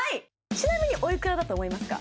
ちなみにおいくらだと思いますか？